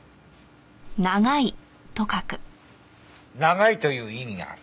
「長い」という意味がある。